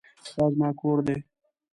دا زما کور دی